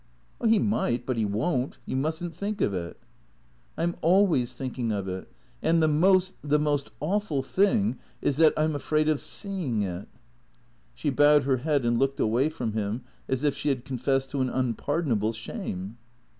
" He might. But he won't. You must n't think of it." " I 'm always thinking of it. And the most — the most aw ful thing is that — I 'm afraid of seeing it." She bowed her head and looked away from him as if she had confessed to an unpardonable shame.